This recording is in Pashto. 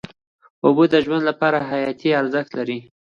اوبه د ژوند لپاره حیاتي ارزښت لري.